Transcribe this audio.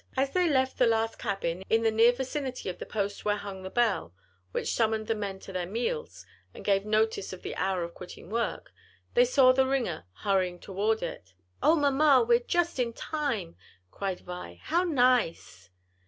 As they left the last cabin, in the near vicinity of the post where hung the bell, which summoned the men to their meals, and gave notice of the hour for quitting work, they saw the ringer hurrying toward it. "Oh, mamma, we're just in time!" cried Vi, "how nice!"